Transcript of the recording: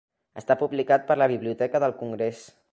Està publicat per la Biblioteca del Congrés.